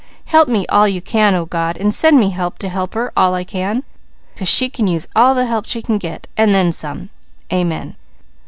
Help me all You can O God, and send me help to help her all I can, 'cause she can use all the help she can get, and then some! Amen!"